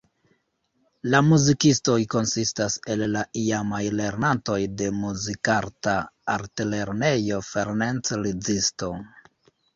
La muzikistoj konsistas el la iamaj lernantoj de Muzikarta Altlernejo Ferenc Liszt.